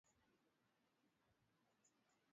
siagi gram mia mbili hamsini itahitajika